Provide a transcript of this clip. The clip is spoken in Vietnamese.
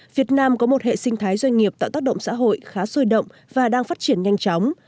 việt nam có một hệ sinh thái doanh nghiệp tạo tác động xã hội khá sôi động và đang phát triển nhanh chóng